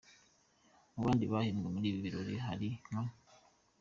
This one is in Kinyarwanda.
Mu bandi bahembwe muri ibi birori hari nka:.